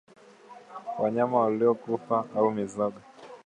Wanyama waliokufa au mizoga